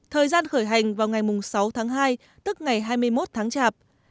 thời gian khởi hành vào ngày sáu tháng hai tức ngày hai mươi một tháng chạp